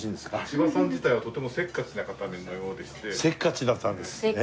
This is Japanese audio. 千葉さん自体はとてもせっかちな方のようでして。